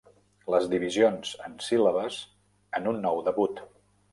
Les divisions en síl·labes en un nou debut.